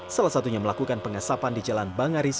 salah satunya melakukan pengasapan di jalan bangaris